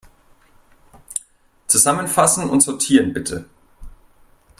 Zusammenfassen und sortieren, bitte.